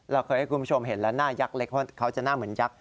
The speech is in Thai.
เราเคยให้คุณผู้ชมเห็นแล้วหน้ายักษ์เล็กเพราะเขาจะหน้าเหมือนยักษ